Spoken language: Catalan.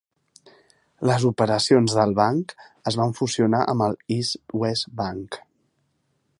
Les operacions del banc es van fusionar amb el East West Bank.